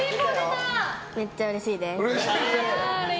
めっちゃうれしいです。